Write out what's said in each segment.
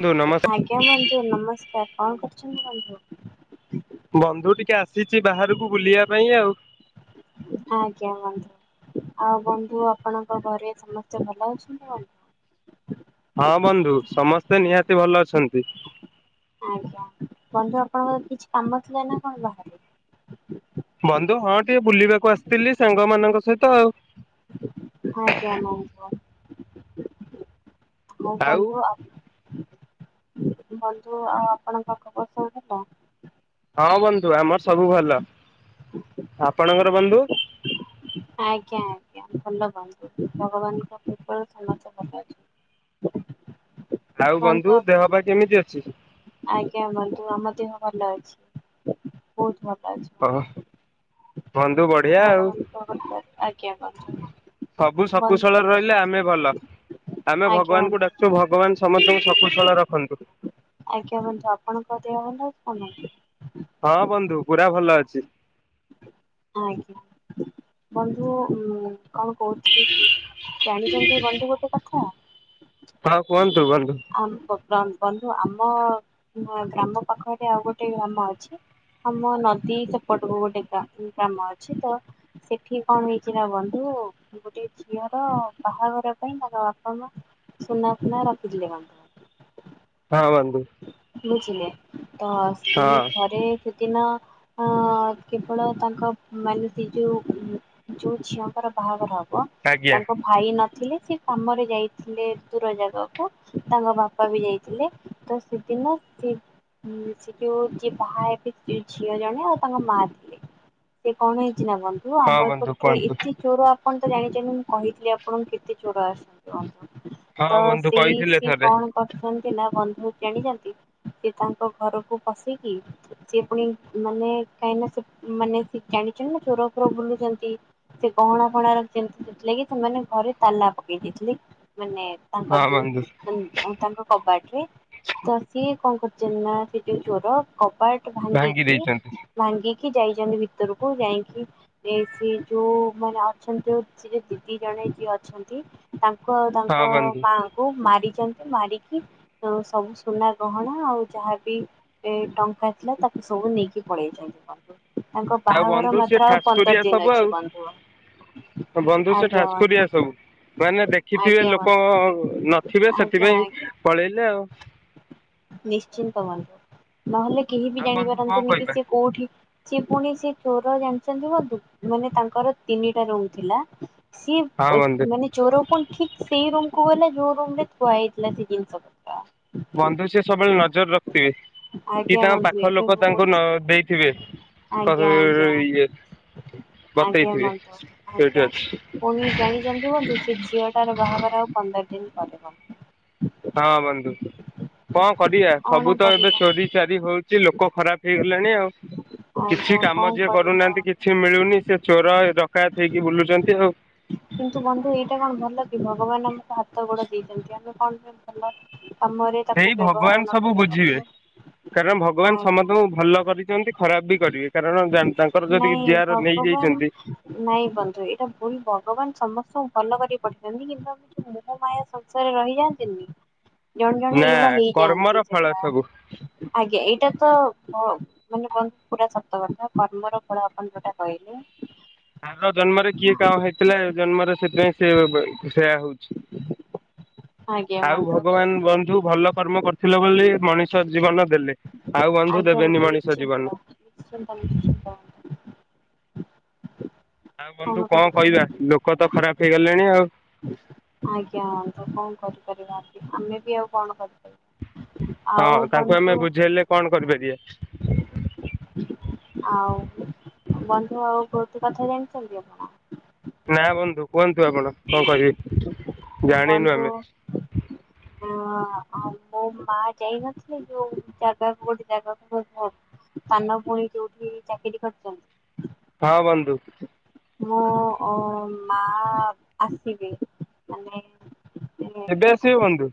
ହନ୍ତୁ ନମସ୍ ଆଜ୍ଞା ବନ୍ଧୁ ନମସ୍କାର କଣ କରୁଛନ୍ତି ବନ୍ଧୁ? ବନ୍ଧୁ ଟିକେ ଆସିଛି ବାହାରକୁ ବୁଲିବା ପାଇଁ ଆଉ। ଆଜ୍ଞା ବନ୍ଧୁ। ଆଉ ବନ୍ଧୁ ଆପଣଙ୍କ ଘରେ ସମସ୍ତେ ଭଲ ଅଛନ୍ତି ବନ୍ଧୁ? ହଁ ବନ୍ଧୁ ସମସ୍ତେ ନିହାତି ଭଲ ଅଛନ୍ତି। ଆଜ୍ଞା ବନ୍ଧୁ ଆପଣଙ୍କର କିଛି କାମ ଥିଲା ନା କଣ ବାହାରେ? ବନ୍ଧୁ ହଁ ଟିକେ ବୁଲିବାକୁ ଆସିଥିଲି ସାଙ୍ଗ ମାନଙ୍କ ସହିତ ଆଉ। ଆଜ୍ଞା [inaudible] ଆ ବନ୍ଧୁ ଆଉ ଆପଣଙ୍କ ଖବର କଣ ହେଲା? ହଁ ବନ୍ଧୁ ଆମର ସବୁ ଭଲ ଆପଣଙ୍କର ବନ୍ଧୁ? ଆଜ୍ଞା ଆଜ୍ଞା ଭଲ ରୁହନ୍ତୁ ଭଗବାନଙ୍କ କୃପରୁ ସମସ୍ତେ ଭଲ ଅ [inaudible] ଆଉ ବନ୍ଧୁ ଦେହ ପାହା କେମିତି ଅଛି? ଆଜ୍ଞା ବନ୍ଧୁ ଆମ ଦେହ ଭଲ ଅଛି ବହୁତ ଭଲ ଅଛି। ହଁ। ହ ହ ଆଜ୍ଞା। [inaudible] ସବୁ ବନ୍ଧୁ ସକୁଶଳରେ ରହିଲେ ଆମେ ଭଲ। ଆମେ ଆଜ୍ଞା ଭଗବାନଙ୍କୁ ବନ୍ଧୁ। ଡାକୁଛୁ ଭଗବାନ ସମସ୍ତଙ୍କୁ ସକୁଶଳ ରଖନ୍ତୁ। ଆଜ୍ଞା ବନ୍ଧୁ ଆପଣଙ୍କ ଦେହ ଭଲ ଅଛି ନା? ହଁ ବନ୍ଧୁ ପୁରା ଭଲ ଅଛି। ହଁ ଆଜ୍ଞା ବନ୍ଧୁ କଣ କହୁଥିଲି କି ଜାଣିଚନ୍ତି ବନ୍ଧୁ ଗୋଟେ କଥା। ହଁ କୁହନ୍ତୁ ବନ୍ଧୁ? ଆମେ ବନ୍ଧୁ ଆମ ନୂଆ ଗ୍ରାମ ପାଖରେ ଆଉ ଗୋଟେ ଗ୍ରାମ ଅଛି। ଆମ ନଦୀ ସେପଟକୁ ଗୋଟେ ଗା-ଗ୍ରାମ ଅଛି ତ ସେଠି କଣ ହେଇଚି ନା ବନ୍ଧୁ। ଗୋଟେ ଝିଅର ବାହାଘର ପାଇଁ ତାଙ୍କ ବାପା ମା ସୁନା ଫୁନା ରଖିଥିଲେ ବନ୍ଧୁ। ହଁ ବନ୍ଧୁ ବୁଝିଲେ ତ ହଁ ସିଏ ଘରେ ସେଦିନ ଅ କେବଳ ତାଙ୍କ ମାନେ ଉଁ ଯୋଉ ଯୋଉ ଝିଅଙ୍କର ବାହାଘର ହବ ଆଜ୍ଞା ତାଙ୍କ ଭାଇ ନଥିଲେ ସେ କାମରେ ଯାଇଥିଲେ ଦୂର ଜାଗାକୁ ତାଙ୍କ ବାପା ବି ଯାଇଥିଲେ। ତ ସେଦିନ ଥି ହୁଁ ସେ ଯୋଉ ଯିଏ ବାହାହେବେ ଯିଏ ଝିଅ ଜଣେ ଆଉ ତାଙ୍କ ମାଆ ସେ କଣ ହେଇଚି ନା ବନ୍ଧୁ ହଁ ଆମ ବନ୍ଧୁ ଏପଟରେ କୁହନ୍ତୁ। ଏତେ ଚୋର ଆପଣ ତ ଜାଣିଚନ୍ତି ମୁଁ କହିଥିଲି ଆପଣଙ୍କୁ କେତେ ଚୋର ଆସୁ ହଁ ତ ବନ୍ଧୁ ସେଇ କହିଥିଲେ ସିଏ ଥରେ କଣ କରୁଛନ୍ତି ନା ବନ୍ଧୁ ଜାଣିଛନ୍ତି ସେ ତାଙ୍କ ଘରକୁ ପଶିକି ସିଏ ପୁଣି ମାନେ କାହିଁ ନା ସେ ମାନେ ସେ ଜାଣିଚନ୍ତି ନା ଚୋର ଫୋର ବୁଲୁଚନ୍ତି। ସେ ଗହଣା ଫହଣା ରକହିଚନ୍ତି ସେଥିଲାଗୀ ସେମାନେ ଘରେ ତାଲା ପକେଇ ଦେଇଥିଲେ ମାନେ ହଁ ତାଙ୍କର ଯୋଉ ବନ୍ଧୁ ମାନେ ତାଙ୍କ କବାଟରେ ତ ସିଏ କଣ କରିଚନ୍ତି ନା ସେ ଯୋଉ ଚୋର କବାଟ ଭାଙ୍ଗି ଭାଙ୍ଗିକି ଦେଇଛନ୍ତି ଭାଙ୍ଗିକି ଯାଇଚନ୍ତି ଭିତରକୁ ଯାଇଁକି ସେଠୀ ଯୋଉ ମାନେ ଆଛନ୍ତି ଯୋଉ ସେ ଦିଦି ଜଣେ ଯିଏ ଅଛନ୍ତି। ତାଙ୍କୁ ଆଉ ହଁ ତାଙ୍କ ବନ୍ଧୁ ମାଙ୍କୁ ମାରିଚନ୍ତି ମାରିକି ତାଙ୍କ ସବୁ ସୁନା ଗହଣା ଆଉ ଯାହାବି ଏ ଟଙ୍କା ଥିଲା ତାକୁ ସବୁ ନେଇକି ପଳେଇ ଚନ୍ତି କଣ। ଆଉ ବନ୍ଧୁ ସିଏ ପନ୍ଦର ଠାସକୁରିଆ ଦିନ ସବୁ ଅଛି ଆଉ। ବନ୍ଧୁ ବନ୍ଧୁ ସେ ଆଜ୍ଞା ଠାସକୁରିଆ ବନ୍ଧୁ। ସବୁ। ମାନେ ଦେଖିଥିବେ ଆଜ୍ଞା ଲୋକ ବନ୍ଧୁ ନଥିବେ ଆଜ୍ଞା ଆଜ୍ଞା। ସେଥିପାଇଁ ପଳେଇଲେ ଆଉ। ନିଶ୍ଚିନ୍ତ ଵନ୍ଧୁ ନହେଲେ କେହି ବି ଆଉ ବନ୍ଧୁ କଣ ଜାଣିପାରନ୍ତେନି କି କହିବା ସିଏ କୋଉଠି ସେ ପୁଣି ସେ ଚୋର ଜାଣିଚନ୍ତି ବନ୍ଧୁ ମାନେ ତାଙ୍କର ତିନିଟା ରୋହୁଥିଲା। ସିଏ ହଁ ବ ବନ୍ଧୁ ମାନେ ଚୋର କଣ ଠିକ୍ ସେଇ ରୁମ କୁ ଗଲା ଯୋଉ ରୁମରେ ଥୁଆ ହେଇଥିଲା ସେ ଜିନିଷ ପତ୍ର କା ବନ୍ଧୁ ସେ ସବୁବେଳେ ନଜର ରଖିଥିବେ କି ଆଜ୍ଞା ତାଙ୍କ ବନ୍ଧୁ ପାଖର ଏବେ ଲୋକ ତାଙ୍କୁ ବହୁତ ନଦେଇ ଥିବେ କତ ଆଜ୍ଞା ର ଆଜ୍ଞା ଇଏ। ଆଜ୍ଞା ବତେଇଥିବେ। ବନ୍ଧୁ ସେଇଠି ଆଜ୍ଞା ଅଛି ପୁଣି ଜାଣିଚନ୍ତି ବନ୍ଧୁ ସେ ଝିଅ ତାର ବାହାଘର ଆଉ ପନ୍ଦର ଦିଇନ ପରେ ହବ। ହଁ ବନ୍ଧୁ କଣ କରିବା କଣ ସବୁ ତ ଏବେ କରିବା ଚୋରି ଚାରି ହଉଛି ଲୋକ ଖରାପ ହେଇ ଗଲେଣି ଆଉ। କିଛି ଆଜ୍ଞା କାମ କଣ ଯିଏ କରିବ? କରୁନାହାନ୍ତି କିଛି ମିଳୁନି ସେ ଚୋର ରକାାୟତ ହେଇକି ବୁଲୁଚନ୍ତି ଆଉ। କିନ୍ତୁ ବନ୍ଧୁ ଏଇଟା କଣ ଭଲ କି ଭଗବାନ ଆମକୁ ହାତ ଗୋଡ ଦେଇଚନ୍ତି ଆମେ କଣ ପାଇଁ ଭଲ କାମରେ ତାକୁ ସେଇ ବ୍ୟବହାର ଭଗବାନ ସବୁ ନକରି ବୁଝିବେ ହବ କାରଣ ଭଗବାନ ଆଜ୍ଞା। ସମସ୍ତଙ୍କୁ ଭଲ କରିଚନ୍ତି। ଖରାପ ବି କରିବେ କାରଣ ତାଙ୍କର ଯଦି ନାଇଁ ଜିଆର ନେଇଯାଇଚନ୍ତି। ଭଗବାନ ନାଇଁ ବନ୍ଧୁ ଏଇଟା ଭୁଲ ଭଗବାନ ସମସ୍ତଙ୍କୁ ଭଲ କରି ପଠେଇଛନ୍ତି କିନ୍ତୁ ଆମେ ଯୋଉ ମୁଁ ମୋହ ମାୟା ସଂସରେ ରହିଯାଆନ୍ତିନି ଜଣେ ଜଣେ ନା ଏଇଭଳିଆ କର୍ମର ହେଇଯାଆନ୍ତି ଫଳ ସବୁ। ସେଇଭଳିଆ ଆଜ୍ଞା ଏଇଟା ତ ମାନେ ବନ୍ଧୁ ପୁରା ସତ କଥା କର୍ମର ଫଳ ଆପଣ ଯୋଉଟା କହିଲେ। ଆାର ଜନ୍ମରେ କିଏ କା ଭାଇଥିଲା ଏଜନ୍ମରେ ସେଥିପାଇଁ ସେ ସେଇଆ ହୋଉଚି। ହଁ ଆଉ ଭଗବାନ୍ ବନ୍ଧୁ ଭଲ କର୍ମ କରିଥିଲେ ବୋଲି ମଣିଷ ଜୀବନ ଦେଲେ। ଆଉ ବନ୍ଧୁ ଦେବେନି ମଣିଷ୍ ନିଶ୍ଚିନ୍ତ ନିଶ୍ଚିନ୍ତ ନିଶ୍ଚିନ୍ତ। ଆଉ କଣ ବନ୍ଧୁ କଁ କହିବା କରିପାରିବି ଲୋକ ତ ଖରାପ ହେଇଗଲେଣି ଆଉ। ଆଜ୍ଞା ହନ୍ତୁ କଣ କରିପାରିବା ଆମେ ବି ଆଉ କଣ କର ହଁ ତାଙ୍କୁ ଆମେ ବୁଝେଇଲେ କଣ କରିପାରିବା? ଆଉ ବନ୍ଧୁ ଆଉ ଗୋଟେ କଥା ଜାଣିଛନ୍ତି ଆପଣ? ନା ବନ୍ଧୁ କୁହନ୍ତୁ ଆପଣ କଣ କହିବେ। ବନ୍ଧୁ ଅଁ ଆଉ ମୋ ମା ଯାଇନଥିଲେ ଯୋଉ ଜାଗାକୁ ଗୋଟେ ଜାଗାକୁ ସ୍ଥାନ ପୁଣି ଯୋଉଠି ଚାକିରି କରିଛନ୍ତି। ହଁ ବନ୍ଧୁ। ମୋ ଅ ମା ଆସିବେ ମାନେ ନେ କେବେ ଆସିବେ ବନ୍ଧୁ?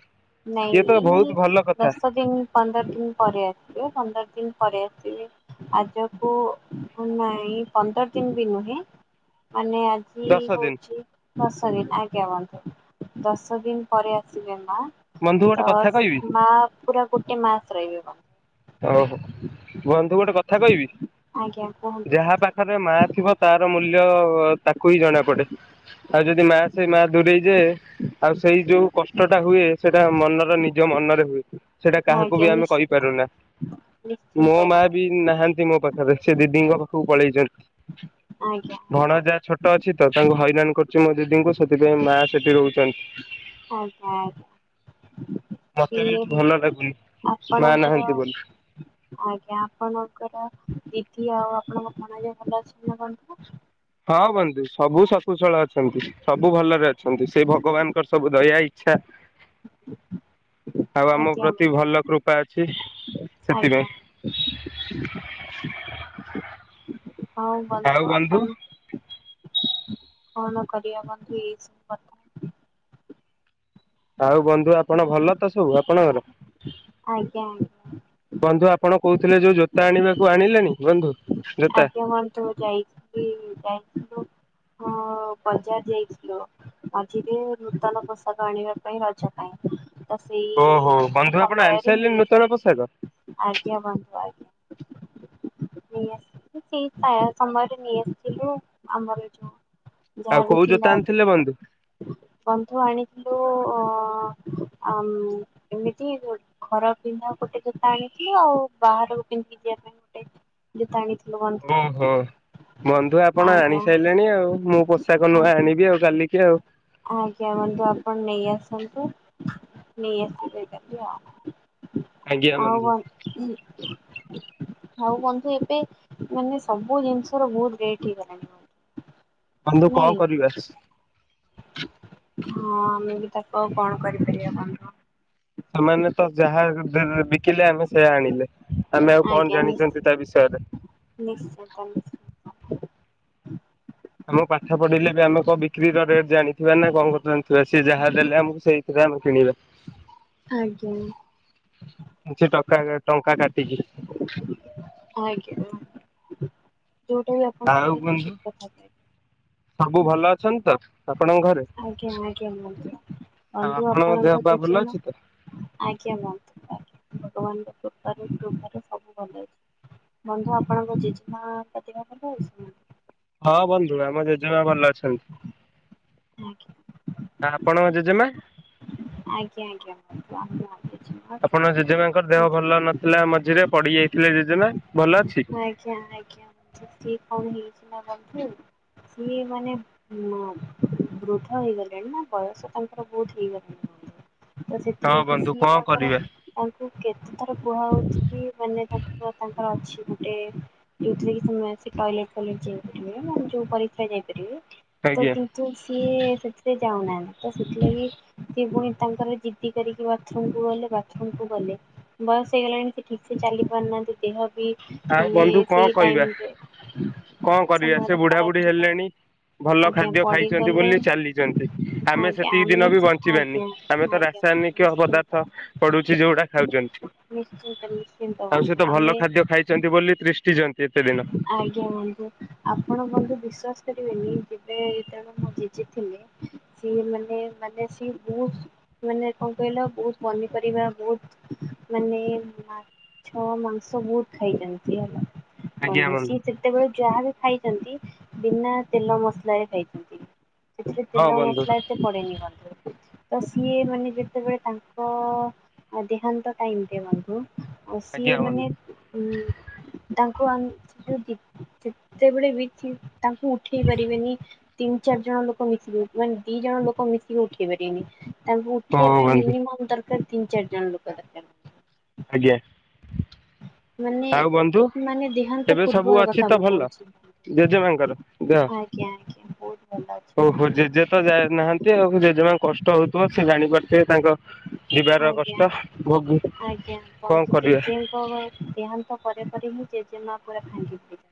ନାଇଁ ତ ଇଏ ବହୁତ ଭଲ କଥା ଦଶ ଦିନ୍ ପନ୍ଦର ଦିନ୍ ପରେ ଆସିବେ ପନ୍ଦର ଦିନ୍ ପରେ ଆସିବେ। ଆଜକୁ ନାଇଁ ପନ୍ଦର ଦିନ୍ ବି ନୁହେଁ ମାନେ ଆ କି ଦଶ ହଉ ଦିନ ଦଶ ଦିନ୍ ଆଜ୍ଞା ବନ୍ଧୁ ଦଶ ଦିନ୍ ପରେ ଆସିବେ ମା। ବନ୍ଧୁ ଗୋଟେ କଥା ତସ୍ କହିବି ମା ପୁରା ଗୋଟେ ମାସ୍ ରହିବେ ମା। ଓହୋ ବନ୍ଧୁ ଗୋଟେ କଥା କହିବି ଆଜ୍ଞା କୁହନ୍ତୁ ଯାହା ପା ପାଖରେ ମା ଥିବ ତାର ମୂଲ୍ୟ ତାକୁ ହିଁ ଜଣା ପଡ଼େ। ଆଉ ଯଦି ମା ସେଇ ମା ଦୂରେଇଯାଏ ଆଉ ସେଇ ଯୋଉ କଷ୍ଟଟା ହୁଏ ସେଇଟା ମନର ନିଜ ମନରେ ହୁଏ। ସେଇଟା ବନ୍ଧୁ କାହାକୁ ବି ଆଜ୍ଞା ଆମେ ନିଶ୍ଚିନ୍ତ। କହିପାରୁନା। ମୋ ନିଶ୍ଚିନ୍ତ ମା ବନ୍ଧୁ ବି ନାହାନ୍ତି ମୋ ପାଖରେ ସେ ଦିଦିଙ୍କ ପାଖକୁ ପଳେଇଚନ୍ତି। ଆଜ୍ଞା ଆଜ୍ଞା। ଟ ଅଛି ତ ତାଙ୍କୁ ହଇରାଣ କରୁଛି ମୋ ଦିଦିଙ୍କୁ ସେଥିପାଇଁ ମା ସେଠି ରହୁଛନ୍ତି। ଆଜ୍ଞା ଆଜ୍ଞା। କି ମତେ ବି ଏଠି ଭଲ ଲାଗୁନି ମା ଆପଣଙ୍କର ନାହାନ୍ତି ବୋଲି ଆଜ୍ଞା ଆପଣଙ୍କର ଦିଦି ଆଉ ଆପଣଙ୍କ ଭଣଜା ଭଲ ଅଛନ୍ତି ନା ବନ୍ଧୁ? ହଁ ବନ୍ଧୁ ସବୁ ସକୁସଳ ଅଛନ୍ତି ସବୁ ଭଲରେ ଅଛନ୍ତି ସେଇ ଭଗବାନଙ୍କର ସବୁ ଦୟା ଏଇ। ଚ୍ଛା ଆଉ ଆମ ଆଜ୍ଞା ପ୍ରତି ବନ୍ଧୁ ଭଲ କୃପା ଅଛି ଆଜ୍ଞା ସେଥିପାଇଁ। ହଁ ବନ୍ଧୁ ଆପଣ କଣ କରିବା ବନ୍ଧୁ ଏଇସ୍ ଆଉ ବନ୍ଧୁ ଆପଣ ଭଲ ତ ସବୁ ଆପଣଙ୍କର? ଆଜ୍ଞା ଆଁ ବନ୍ଧୁ ଆପଣ କହୁଥିଲେ ଯୋଉ ଜୋତା ଆଣିବାକୁ ଆଣିଲେଣି ବନ୍ଧୁ? ଜୋତା ଆଜ୍ଞା ବନ୍ଧୁ ଯାଇଥିଲି ଯାଇଥିଲୁ ହଁ ବଜାର ଯାଇଥିଲୁ। ମଝିରେ ନୂତନ ପୋଷାକ ଆଣିବା ପାଇଁ ରଜ ପାଇଁ। ତ ସେଇ ଓହୋ ମାନେ ବନ୍ଧୁ ଆପଣ ସମୟରେ ନେଇ ଆଣିସାରିଲେଣି ନୂତନ ଆସିଲୁ ପୋଷାକ? ଆଜ୍ଞା ବନ୍ଧୁ ଆଜ୍। ନେଇ ଆସିଥିଲି ସେ ଖାୟା ସମୟରେ ନେଇ ଆସିଥିଲୁ ଆମର ଏ ଯୋ ଆଉ କୋଉ ଜୋତା ଆଣିଥିଲେ ବନ୍ଧୁ? ବନ୍ଧୁ ଆଣିଥିଲୁ ଅ ଅମ୍ ଏମିତି ଘର ଗୋ ପିନ୍ଧା ଗୋଟେ ଜୋତା ଆଣିଥିଲୁ ଆଉ ବାହାରକୁ ପିନ୍ଧିକି ଯିବା ପାଇଁ ଗୋଟେ ଜୋତା ଆଣିଥିଲୁ ବନ୍ ଓହୋ ବନ୍ଧୁ ଆପଣ ଆଜ୍ଞା ଆଣି ସାଇଲେଣି ଆଉ ମୁଁ ପୋଷାକ ନୂଆ ଆଜ୍ଞା ଆଣିବି ଆଉ କାଲି। କି ଆଉ। ଆଜ୍ଞା ବନ୍ଧୁ ଆପଣ ନେଇ ଆସନ୍ତୁ ନେଇ ଆସିବେ କାଲି ଆଉ। ଆଜ୍ଞା ଆଉ ବନ୍ଧୁ ବନ୍ ଇ ଆଉ ବନ୍ଧୁ ଏବେ ମାନେ ସବୁ ଜିନିଷ ର ବହୁତ ରେଟ୍ ହେଇଗଲାଣି। ବନ୍ଧୁ ନାଇଁ କଲ୍ କରିବେ ଆସ୍ ହଁ ଆମେ ବି ତାକୁ ଆଉ କଣ କରିପାରିବା ବନ୍ଧୁ। ସେମାନେ ତ ଯାହା। [unintelligible] ବିକିଲେ ଆମେ ସେୟା ଆଣିଲେ ଆମେ ଆଉ କଣ ଜାଣିଛନ୍ତି ତା ବିଷୟରେ। ନିଶ୍ଚୟ। [unintelligible] ଆମକୁ ପାଠ ପଢିଲେ ବି ଆମେ କଣ ବିକ୍ରି ର ରେଟ୍ ଜାଣିଥିବା ନା କଣ ଜାଣିଥିବା ସିଏ ଯାହା ଦେଲେ ଆମକୁ ସେଇ ଥିରେ ଆମେ କିଣିବା। ଆଜ୍ଞା। କିଛି ଟକା ଟଙ୍କା କାଟିିକି। ଆଜ୍ଞା ଯୋଉଟା ବି ଆପଣ ଆଉ କହିବେ ବନ୍ଧୁ ଠିକ୍ କଥା ଟାଏ। ସବୁ ଭଲ ଅଛନ୍ତି ତ ଆପଣଙ୍କ ଘରେ? ଆଜ୍ଞା ଆଜ୍ଞା ବନ୍ଧୁ ଆଉ ବନ୍ଧୁ ଆପଣଙ୍କ ଦେହ ଆପଣଙ୍କର ପା କିଏ ଭଲ ଚିହ୍ନା? ଅଛି ତ? ଆଜ୍ଞା ବନ୍ଧୁ ଭଗବାନଙ୍କ କୃପାରୁ-କୃପାରୁ ସବୁ ଭଲ ଅଛି। ବନ୍ଧୁ ଆପଣଙ୍କ ଜେଜେମାଙ୍କ ଦେହ ଭଲ ଅଛି ନା? ହଁ ବନ୍ଧୁ ଆମ ଜେଜେମା ଭଲ ଅଛନ୍ତି। ଆଉ ଆପଣଙ୍କ ଜେଜେମା? ଆଜ୍ଞା-ଆଜ୍ଞା ବନ୍ଧୁ ଆମ ଆପଣଙ୍କ ଜେଜେମାଙ୍କର ଜେଜେମା ଦେହ ଭଲ ନଥିଲା ମଝିରେ ପଡିଯାଇଥିଲେ ଜେଜେମା ଭଲ ଅଛି? ଆଜ୍ଞା-ଆଜ୍ଞା ସେ କଣ ହେଇଛି ନା ବନ୍ଧୁ ସିଏ ମାନେ ଉଁ। ବୃଦ୍ଧା ହେଇଗଲେଣି ନା ବୟସ ତାଙ୍କର ବୋହୁତ ହେଇଗଲାଣି। ତ ହଁ ସେଥିଲାଗି ବନ୍ଧୁ ସିଏ କଣ ତାଙ୍କର କରିବା ତାଙ୍କୁ କେତେଥର କୁହାହୋଉଚି କି ମାନେ ତା ତାଙ୍କର ଅଛି ଗୋଟେ ଏଠିକି ସମୟ ଆସି ଟଇଲେଟ୍ ଫଇଲେଟ୍ ଯାଇପାରିବେ ନା ଯୋଉ ପରିକ୍ଷା ଯାଇପାରିବ। ତ ଆଜ୍ଞା କିନ୍ତୁ ସିଏ ସେଥିପାଇଁ ଯାଉନାହାନ୍ତି ତ ସେଥିଲାଗି ସିଏ ଫୁଣି ତାଙ୍କର ଜି ପିଇ ସାରିକି ବାଥରୁମ୍ କୁ ଗଲେ ବାଥରୁମ୍ କୁ ଗଲେ। ବୟସ ହେଇଗଲାଣି ସେ ଠିକ୍ ସେ ଚାଲି ପାରୁନାହାନ୍ତି ଦେହ ବି ଆଉ ମାନେ ବନ୍ଧୁ ସେଇ କଣ କହିବା ଟାଇମରେ କଣ କରିବା ସେ ସମୟରେ ବୁଢା ବୁଢୀ ଖରାପ ଥିଲା ହେଲେଣି ଭଲ ଆଜ୍ଞା ଖାଦ୍ୟ ଖାଇଛନ୍ତି ପଡିଗଲେ ବୋଲି ଚାଲିଛନ୍ତି ଆମେ ଆଜ୍ଞା ସେତିକି ଦିନ ଆମେ ବି ବଞ୍ଚିବାନି ଆଜ୍ଞା ଆମେ ତ ଆଜ୍ଞା ରାସାୟନିକ ପଦା ନିଶ୍ଚିନ୍ତ ତ ପଡୁଛି ଯୋଉଟା ଖାଉଛନ୍ତିୁ। ନିଶ୍ଚିନ୍ତ ନିଶ୍ଚିନ୍ତ ବନ୍ଧୁ ଆମେ ଖାଦ୍ୟ ଖାଇଛନ୍ତି ବୋଲି ତିଷ୍ଟିଛନ୍ତି ଏତେ ଦିନ। ଆଜ୍ଞା ଆଜ୍ଞା ବନ୍ଧୁ ଆପଣ ବନ୍ଧୁ ବିଶ୍ଵାସ କରିବେନି ଯେବେ ଯେତେବେଳେ ମୋ ଜେଜେ ଥିଲେ ସିଏ ମାନେ ମାନେ ସିଏ ମୋସ୍ ମାନେ କଣ କହିଲ ବୋହୁତ୍ ପନିପରିବା ବୋହୁତ୍ ମାନେ ଛଅ ମାଂସ ବୋହୁତ୍ ଖାଇଯାନ୍ତି ହେଲା। ଆଜ୍ଞା କଞ୍ଜୁସୁ ସି ବନ୍ଧୁ ସେତେବେଳେ ଯାହା ବି ଖାଇଛନ୍ତି ବିନା ତେଲ ମସଲରେ ଖାଇଛନ୍ତି। ସେଥିରେ ହଁ ତେଲ ବନ୍ଧୁ ମସଲା ଏତେ ପଡେନି ତ ସିଏ ମାନେ ଯେତେବେଳେ ତାଙ୍କ ଅ ଦେହାନ୍ତ ଟାଇମ୍ ରେ ବନ୍ଧୁ ଆ ଆଜ୍ଞା ସିଏ ବନ୍ଧୁ ମାନେ ଉଁ ତାଙ୍କୁ ଆମ ସେଠୁ ଯେତେବେଳେ ବି ତାଙ୍କୁ ଉଠେଇ ପାରିବେନି ତିନି ଚାରି ଜଣ ଲୋକ ମିଶି କି ମାନେ ଦି ଜଣ ଲୋକ ମିଶି କି ଉଠେଇ ପାରିବେନି ତାଙ୍କୁ ପଠିବା ହଉ ପାଇଁ ବନ୍ଧୁ ମିନିମମ୍ ଦରକାର ତିନି ଚାରି ଜଣ ଲୋକ ଦରକାର। ଆଜ୍ଞା। ମାନେ ଆଉ ବନ୍ଧୁ ମାନେ ଦେହାନ୍ତ ଏବେ ସବୁ ପୂର୍ବର ଅଛି କଥା ତ ମୁଁ ଭଲ? କହୁଛି ଜେଜେମାଙ୍କର ଦେହ ଆଜ୍ଞା ଆଜ୍ଞା ବହୁତ ଭଲ ଓ ହୋ ଅଛନ୍ତି। ଜେଜେ। ତ ଯାଏ ନାହାନ୍ତି ଆଉ ଜେଜେମାଙ୍କୁ କଷ୍ଟ ହଉଥିବ ସେ ଜାଣିପାରୁଥିବେ ତାଙ୍କ। ଯିବାର ଆଜ୍ଞା କଷ୍ଟ ଭୋଗୀ କଣ କରିବା। କଗ ଦେହାନ୍ତ ପରେ ପରେ ହିଁ ଜେଜେମା ପୁରା ଭାଙ୍ଗିଯିବେ।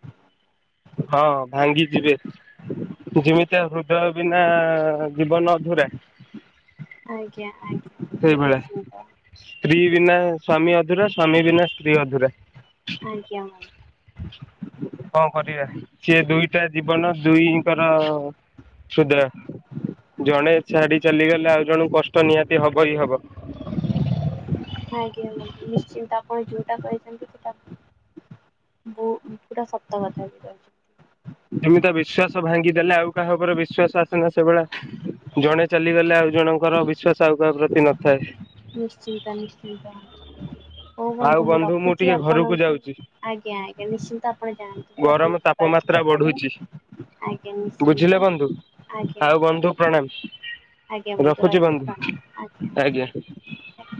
ହଁ ଭାଙ୍ଗି ଯିବେ। ଯେମିତିୟା ହୃଦୟ ବିନା ଜୀବନ ଅଧୁରା। ଆଜ୍ଞା ଆଜ୍ଞା। ନିଶ୍ଚିନ୍ତ ସେଇଭଳିଆ ସ୍ତ୍ରୀ ବିନା ସ୍ଵାମୀ ଅଧୁରା ସ୍ଵାମୀ ବିନା ସ୍ତ୍ରୀ ଅଧୁରା। ଆଜ୍ଞା। କଣ କରିବା ସିଏ ଦୁଇଟା ଜୀବନ ଦୁଇଙ୍କର। ସୁଦ୍ରା ଜଣେ ଛାଡି ଚାଲିଗଲେ ଆଉ ଜଣକୁ କଷ୍ଟ ନିହାତି ହବ ହି ହବ। ଆଜ୍ଞା ବନ୍ଧୁ ନିଶ୍ଚିନ୍ତ ଆପଣ ଯୋଉଟା କହିଛନ୍ତି ସେଇଟା ବହୁ ପୁରା ସତ କଥା ହେଇଯାଉଛି। ଏମିତିଆ ବିଶ୍ଵାସ ଭାଙ୍ଗିଦେଲେ ଆଉ କାହା ଉପରେ ବିଶ୍ଵାସ ଆସେନା ସେଭଳିଆ। ଜଣେ ଚାଲିଗଲେ ଆଉ ଜଣଙ୍କର ବିଶ୍ଵାସ ଆଉ କାହା ପ୍ରତି ନଥାଏ। ନିଶ୍ଚିନ୍ତ ନିଶ୍ଚିନ୍ତ ହୋଉ ଆଉ ବନ୍ଧୁ ମୁଁ ରଖୁଛି ଟିକେ ଘରକୁ ଆପଣଙ୍କୁ। ଯାଉଛି ଆଜ୍ଞା ଆଜ୍ଞା ନିଶ୍ଚିନ୍ତ ଆପଣ ଜାଣନ୍ତୁ ଗରମ ଆପଣ ଯିବାର ତାପମାତ୍ରା ଥିଲା। ବଢୁଛି କୁଡେ ଆଜ୍ଞା ବୁଝିଲେ ନିଶ୍ଚିନ୍ତ ବନ୍ଧୁ ଆଉ ଆଜ୍ଞା। ଆଜ୍ଞା। ବନ୍ଧୁ ଆଜ୍ଞା ପ୍ରଣାମ ରଖୁଛି ରହିଲି ବନ୍ଧୁ ପ୍ରଣାମ ଆଜ୍ଞା। ଆଜ୍ଞା।